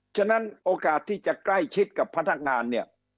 ฉะนั้นโอกาสที่จะใกล้ชิดกับพนักงานเนี่ย